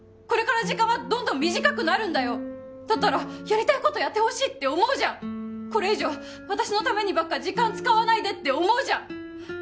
これから時間はどんどん短くなるんだよだったらやりたいことやってほしいって思うじゃんこれ以上私のためにばっか時間使わないでって思うじゃん